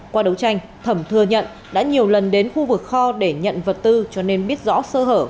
qua đấu tranh thẩm thừa nhận đã nhiều lần đến khu vực kho để nhận vật tư cho nên biết rõ sơ hở